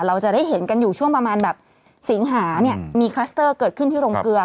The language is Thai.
เราจะได้เห็นกันอยู่ช่วงประมาณแบบสิงหาเนี่ยมีคลัสเตอร์เกิดขึ้นที่โรงเกลือ